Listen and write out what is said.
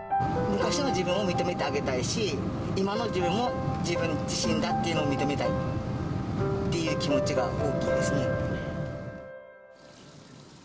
昔の自分を認めてあげたいし、今の自分も、自分自身だっていうのを認めたいっていう気持ちが大きいですね。